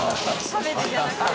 食べてじゃなくて？